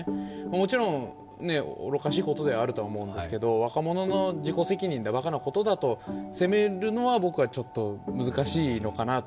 もちろん、愚かしいことではあると思うんですけど、若者の自己責任だ、ばかなことだと責めるのは僕はちょっと難しいのかなと。